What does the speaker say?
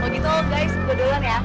gitu guys gua doang ya